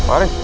eh pak haris